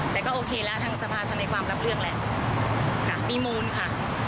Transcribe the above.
แต่ก็โอเคแล้วทางสภาธนาความรับเรื่องแหละค่ะมีมูลค่ะ